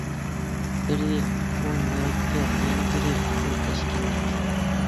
بىرى، ئۇ مۇرەككەپ، يەنە بىرى، ئۇ تەشكىللىك.